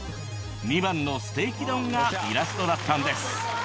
２番のステーキ丼がイラストだったんです。